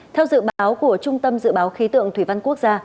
theo dự báo của trung tâm dự báo khí tượng thủy văn quốc gia